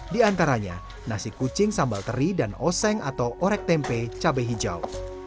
di antaranya nasi kucing sambal teri dan oseng atau orek tempe cabai hijau